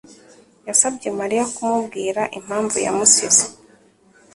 yasabye Mariya kumubwira impamvu yamusize.